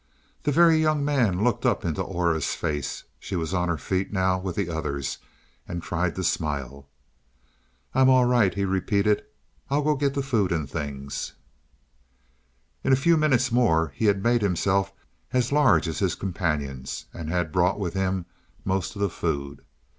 The Very Young Man looked up into Aura's face she was on her feet now with the others and tried to smile. "I'm all right," he repeated. "I'll go get the food and things." In a few minutes more he had made himself as large as his companions, and had brought with him most of the food.